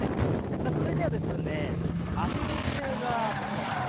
続いてはですね、アスペラ、こちらですね。